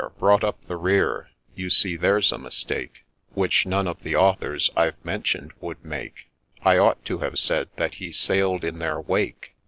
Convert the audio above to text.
—' brought up the rear '— you see there 's a mistake Which none of the authors I've mentioned would make, I ought to have said, that he ' sail'd in their wake.'